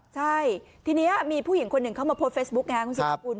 ใช่ทีนี้มีผู้หญิงคนหนึ่งเข้ามาโพสต์เฟซบุ๊คไงคุณสุดสกุล